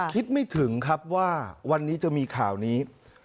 คิดไม่ถึงครับว่าวันนี้จะมีข่าวนี้